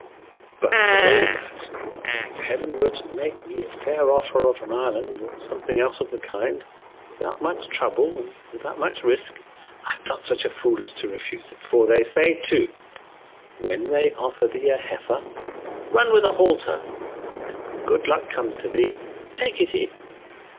But for all that, if heaven were to make me a fair offer of an island or something else of the kind, without much trouble and without much risk, I am not such a fool as to refuse it; for they say, too, 'when they offer thee a heifer, run with a halter; and 'when good luck comes to thee, take it in.